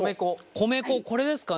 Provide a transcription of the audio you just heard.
米粉これですかね？